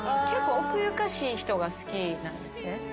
結構奥ゆかしい人が好きなんですね。